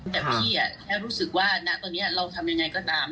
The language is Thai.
แต่พี่แค่รู้สึกว่าณตอนนี้เราทำยังไงก็ตาม